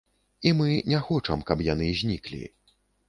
І мы не хочам, каб яны зніклі.